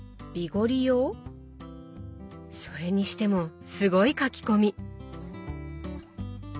それにしてもすごい書き込み！